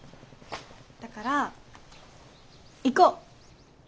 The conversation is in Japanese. だから行こう！